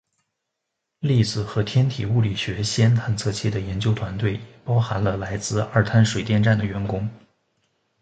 粒子和天体物理学氙探测器的研究团队也包含了来自二滩水电站的员工。